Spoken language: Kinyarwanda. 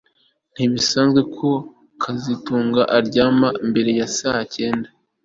Ntibisanzwe ko kazitunga aryama mbere ya saa cyenda